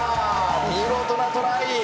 見事なトライ。